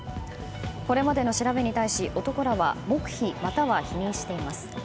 これまでの調べに対し男らは黙秘または否認しています。